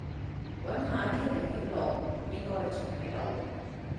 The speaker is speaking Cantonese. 揾下傾偈記錄，應該仲喺度